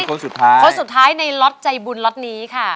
คนสุดท้ายคนสุดท้ายในล็อตใจบุญล็อตนี้ค่ะ